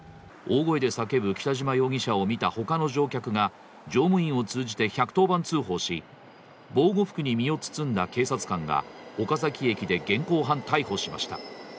大声で叫ぶ北島容疑者を見たほかの乗客が乗務員を通じて１１０番通報し、防護服に身を包んだ警察官が岡崎駅で現行犯逮捕しました。